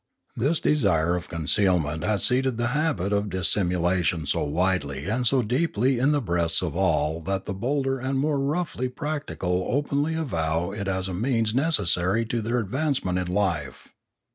This desire of concealment has seated the habit of dis simulation so widely and so deeply in the breasts of all that the bolder and more roughly practical openly avow it as a means necessary to their advancement in life.